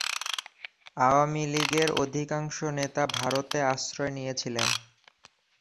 আওয়ামী লীগের অধিকাংশ নেতা ভারতে আশ্রয় নিয়েছিলেন।